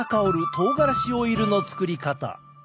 とうがらしオイルの作り方。